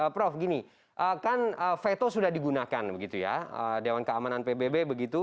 prof gini kan veto sudah digunakan begitu ya dewan keamanan pbb begitu